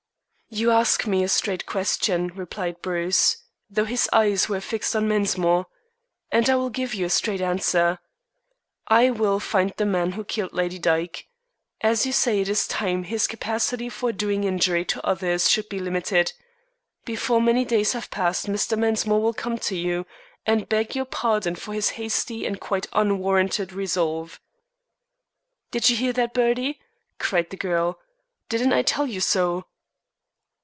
"You ask me a straight question," replied Bruce, though his eyes were fixed on Mensmore, "and I will give you a straight answer. I will find the man who killed Lady Dyke. As you say, it is time his capacity for doing injury to others should be limited. Before many days have passed Mr. Mensmore will come to you and beg your pardon for his hasty and quite unwarranted resolve." "Do you hear that, Bertie?" cried the girl. "Didn't I tell you so?"